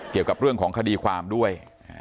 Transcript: เกี่ยวกับเรื่องของคดีความด้วย